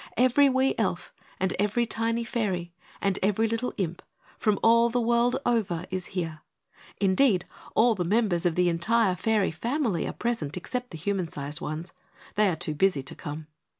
Every wee Elf, and every tiny Fairy, and every little Imp, from all the world over, is here. Indeed, all the members of the entire Fairy Family are present except the human sized ones. They are too busy to come.